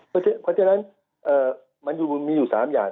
เพราะฉะนั้นมันมีอยู่๓อย่าง